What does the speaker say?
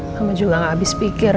mama juga gak abis pikir